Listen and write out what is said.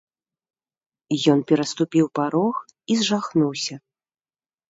Ён пераступiў парог i зжахнуўся...